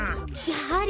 やはり！